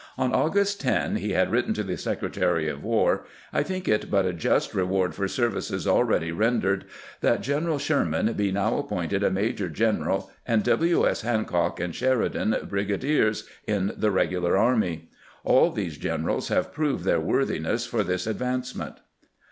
On August 10 he had written to the Secretary of War :" I think it but a just reward for services already rendered that General Sherman be now appointed a major gen eral, and W. S. Hancock and Sheridan brigadiers, in the regular army. All these generals have proved their worthiness for this advancement."